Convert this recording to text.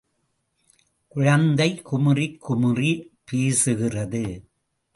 குழந்தை குழறிக் குழறிப் பேசுகிறது.